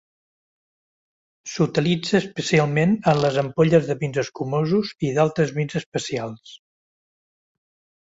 S'utilitza especialment en les ampolles de vins escumosos i d'altres vins especials.